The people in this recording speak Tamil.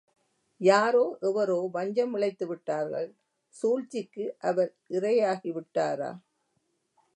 யாரோ எவரோ வஞ்சம் இழைத்துவிட்டார்கள் சூழ்ச்சிக்கு அவர் இரையாகி விட்டாரா?